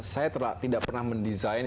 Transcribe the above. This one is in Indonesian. saya tidak pernah mendesain